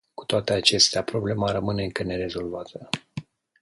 Cu toate acestea, problema rămâne încă nerezolvată.